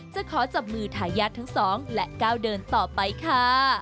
จะขอจับมือทายาททั้งสองและก้าวเดินต่อไปค่ะ